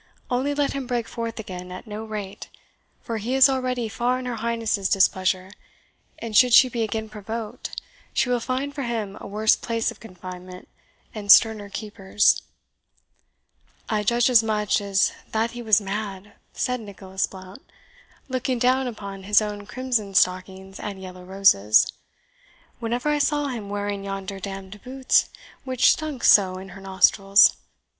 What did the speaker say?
Only let him break forth again at no rate; for he is already far in her Highness's displeasure, and should she be again provoked, she will find for him a worse place of confinement, and sterner keepers." "I judged as much as that he was mad," said Nicholas Blount, looking down upon his own crimson stockings and yellow roses, "whenever I saw him wearing yonder damned boots, which stunk so in her nostrils.